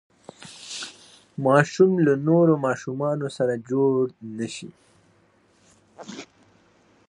ماشوم له نورو ماشومانو سره جوړ نه شي.